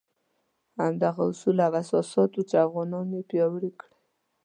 همدغه اصول او اساسات وو چې افغانان یې پیاوړي کړي.